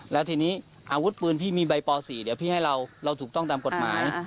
แล้วทีนี้อาวุธปืนพี่มีใบป๔เดี๋ยวพี่ให้เราเราถูกต้องตามกฎหมาย